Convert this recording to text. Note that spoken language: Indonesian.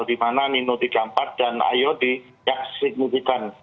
di mana nino tiga puluh empat dan iod yang signifikan